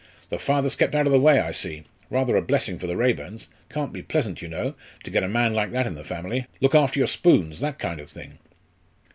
The father's kept out of the way, I see. Rather a blessing for the Raeburns. Can't be pleasant, you know, to get a man like that in the family. Look after your spoons that kind of thing."